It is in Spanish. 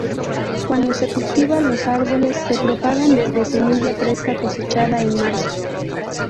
Cuando se le cultiva, los árboles se propagan desde semilla fresca cosechada en marzo.